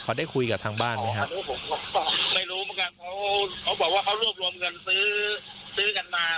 เขาได้คุยกับทางบ้านไหมครับไม่รู้เหมือนกันเขาเขาบอกว่าเขารวบรวมเงินซื้อซื้อกันมา